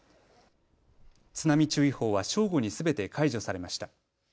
津波注意報は正午にすべて解除されました。